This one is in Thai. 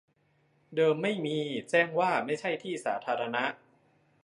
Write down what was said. เดิมไม่มี แจ้งว่าไม่ใช่ที่สาธารณะ